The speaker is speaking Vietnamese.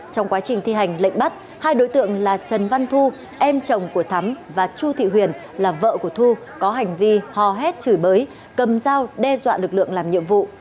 trong quá trình thi hành lệnh bắt hai đối tượng là trần văn thu em chồng của thắm và chu thị huyền là vợ của thu có hành vi hò hét chửi bới cầm dao đe dọa lực lượng làm nhiệm vụ